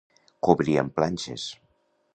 Cobrir amb planxes.